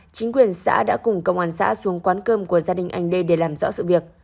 chính quyền xã đã cùng công an xã xuống quán cơm của gia đình anh đê để làm rõ sự việc